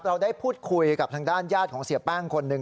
เราได้พูดคุยกับทางด้านญาติของเสียแป้งคนหนึ่ง